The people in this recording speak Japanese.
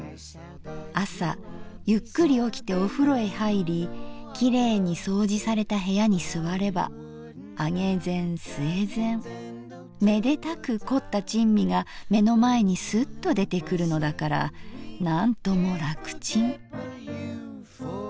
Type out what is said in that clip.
朝ゆっくり起きてお風呂へ入りきれいに掃除された部屋に坐れば上げ膳据え膳目出たく凝った珍味が目の前にスッと出てくるのだからなんともらくちん」。